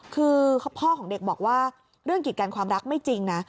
คือพ่อของเด็กบอกว่าเรื่องกิจการความรักไม่จริงนะ